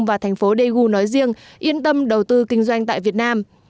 và thành phố daegu nói riêng yên tâm đầu tư kinh doanh tại việt nam